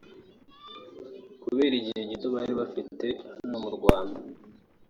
Kubera igihe gito bari bafite hano mu Rwanda